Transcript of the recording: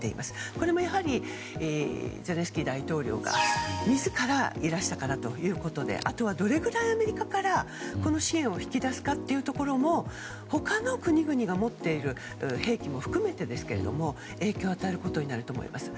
これもゼレンスキー大統領が自らいらしたからということであとはどれぐらいアメリカから支援を引き出すかというところも他の国々が持っている兵器も含めてですが影響を与えることになると思います。